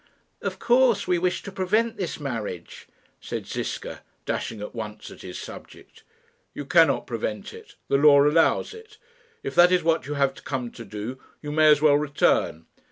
"Of course we wish to prevent this marriage," said Ziska, dashing at once at his subject. "You cannot prevent it. The law allows it. If that is what you have to come to do, you may as well return."